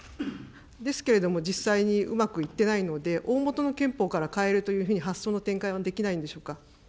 ですけれども、実際にうまくいってないので、おおもとの憲法から変えるというふうに発想の転換はできないんでしょうか。